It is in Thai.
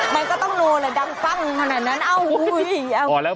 มันก็ต้องโน่เลยดังตั้งขนาดนั้นอ้าว